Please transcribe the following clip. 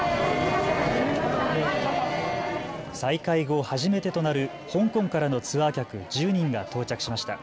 再開後、初めてとなる香港からのツアー客１０人が到着しました。